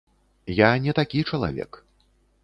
Я не такі чалавек.